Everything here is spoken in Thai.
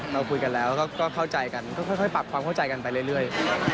เราคุยกันแล้วก็เข้าใจกันก็ค่อยปรับความเข้าใจกันไปเรื่อย